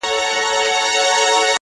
• یوه ورځ خره ته لېوه ویله وروره -